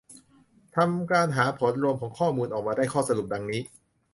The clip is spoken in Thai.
ทำการหาผลรวมของข้อมูลออกมาได้ข้อสรุปดังนี้